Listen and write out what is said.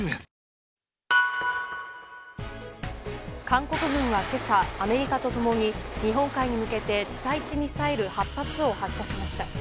韓国軍は今朝、アメリカと共に日本海に向けて地対地ミサイル８発を発射しました。